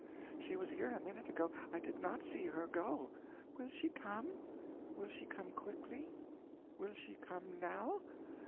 She was here a minute ago I did not see her go. Will she come? will she come quickly? will she come now?...